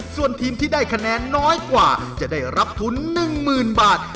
ส่วนทีมที่ได้คะแนนน้อยกว่าจะได้รับทุน๑๐๐๐บาท